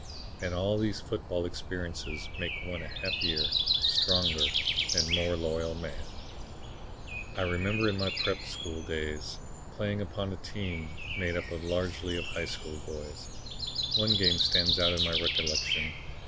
And all these football experiences make one a happier, stronger and more loyal man. "I remember in my prep. school days playing upon a team made up largely of high school boys. One game stands out in my recollection.